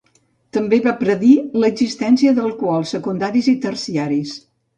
També va predir l'existència d'alcohols secundaris i terciaris.